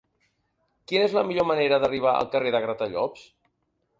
Quina és la millor manera d'arribar al carrer de Gratallops?